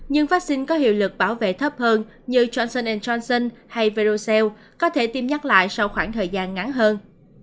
nhưng vaccine có hiệu lực bảo vệ thấp hơn như chanson johnson hay verocell có thể tiêm nhắc lại sau khoảng thời gian ngắn hơn